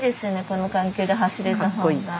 この環境で走れた方が。